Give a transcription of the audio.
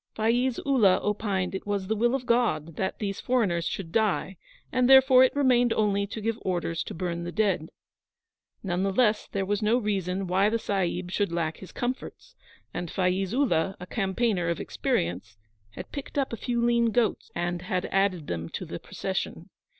Faiz Ullah opined it was the will of God that these foreigners should die, and therefore it remained only to give orders to burn the dead. None the less there was no reason why the Sahib should lack his comforts, and Faiz Ullah, a campaigner of experience, had picked up a few lean goats and had added them to the procession.